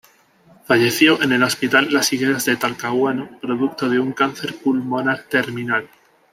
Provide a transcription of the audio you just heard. Falleció en el Hospital Las Higueras de Talcahuano, producto de un cáncer pulmonar terminal.